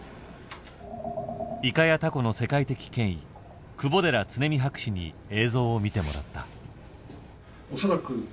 イカやタコの世界的権威窪寺恒己博士に映像を見てもらった。